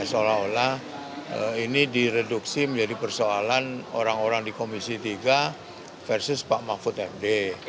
seolah olah ini direduksi menjadi persoalan orang orang di komisi tiga versus pak mahfud md